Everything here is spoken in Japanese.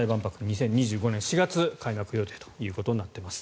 ２０２５年４月開幕予定となっています。